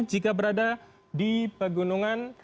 jika berada di pegunungan